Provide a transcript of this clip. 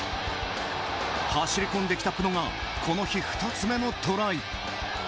走り込んできたプノがこの日、２つ目のトライ。